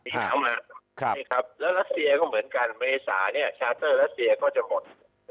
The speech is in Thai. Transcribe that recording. นี่ครับแล้วรัสเซียก็เหมือนกันเมษาเนี่ยชาเตอร์รัสเซียก็จะหมด